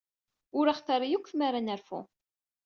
Ur aɣ-terri akk tmara ad nerfu.